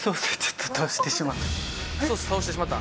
ソース倒してしまった？